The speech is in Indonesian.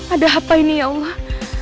ada apa ini ya allah